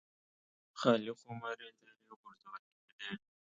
خالي خُمرې لرې غورځول کېدې.